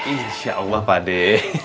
insya allah pakde